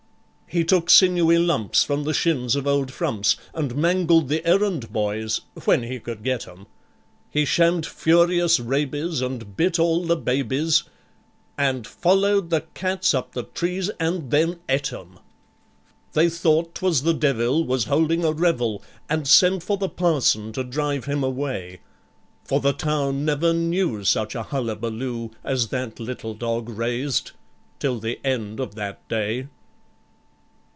He took sinewy lumps from the shins of old frumps, And mangled the errand boys when he could get 'em. He shammed furious rabies, and bit all the babies , And followed the cats up the trees, and then ate' em! They thought 'twas the devil was holding a revel, And sent for the parson to drive him away; For the town never knew such a hullabaloo As that little dog raised till the end of that day.